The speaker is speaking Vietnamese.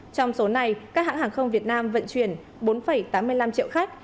trong số này các hãng hàng không việt nam vận chuyển bốn tám mươi năm triệu khách